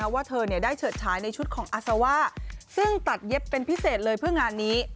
ว่าเธอได้เฉิดฉายในชุดของอาซาว่าซึ่งตัดเย็บเป็นพิเศษเลยเพื่องานนี้